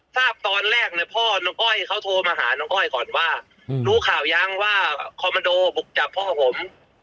ทราบตอนแรกเนี่ยพ่อน้องอ้อยเขาโทรมาหาน้องอ้อยก่อนว่ารู้ข่าวยังว่าคอมมันโดบุกจับพ่อผม